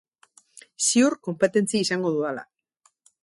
Ziur konpetentzia izango dudala.